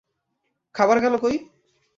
খাবার গেল কই?